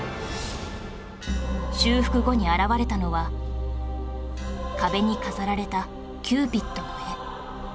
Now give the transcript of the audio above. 修復後に現れたのは壁に飾られたキューピッドの絵